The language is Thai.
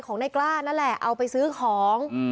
ในกล้านั่นแหละเอาไปซื้อของ